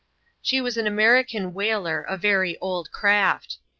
She was an American whaler, a very old craft.